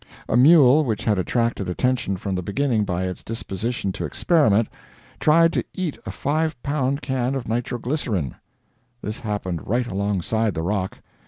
A mule which had attracted attention from the beginning by its disposition to experiment, tried to eat a five pound can of nitroglycerin. This happened right alongside the rock.